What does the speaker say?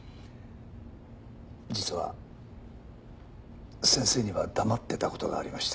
実は先生には黙ってた事がありまして。